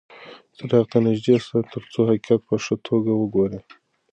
څراغ ته نږدې شه ترڅو حقیقت په ښه توګه وګورې.